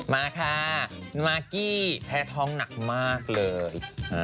มาค่ะมากกี้แพ้ท้องหนักมากเลย